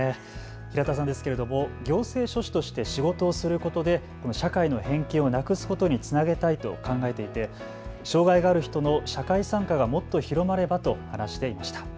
平田さんですけれども行政書士として仕事をすることで社会の偏見をなくすことにつなげたいと考えていて障害がある人の社会参加がもっと広まればと話していました。